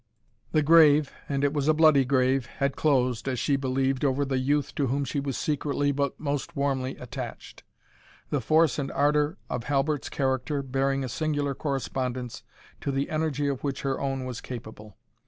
The grave and it was a bloody grave had closed, as she believed, over the youth to whom she was secretly, but most warmly attached; the force and ardour of Halbert's character bearing a singular correspondence to the energy of which her own was capable.